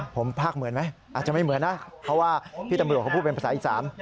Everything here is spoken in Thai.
ผมภาคเหมือนไหมอาจจะไม่เหมือนนะเพราะว่าพี่ตำรวจเขาพูดเป็นภาษาอีสาน